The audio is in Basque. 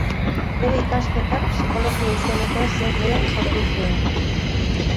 Bere ikasketak psikologia izeneko zientzia sortu zuen.